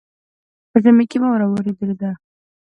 په ژمي کې واوره اوریدلې ده.